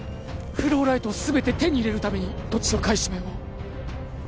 フローライトを全て手に入れるために土地の買い占めを？